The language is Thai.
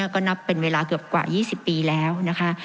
ก็นับเป็นเวลาเกือบกว่า๒๐ปีแล้วนะคะ